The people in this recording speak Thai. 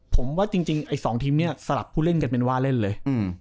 ผมว่าจริงไอ้๒ทีมนี้สลับผู้เล่นกันเป็นว่าเล่นเลย